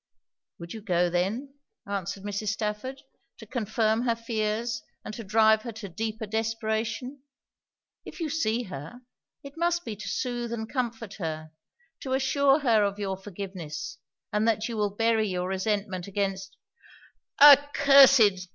'Would you go then,' answered Mrs. Stafford, 'to confirm her fears and to drive her to deeper desperation? If you see her, it must be to soothe and comfort her; to assure her of your forgiveness, and that you will bury your resentment against ' 'Accursed!